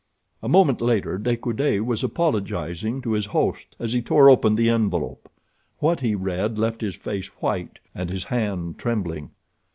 A moment later De Coude was apologizing to his host as he tore open the envelope. What he read left his face white and his hand trembling.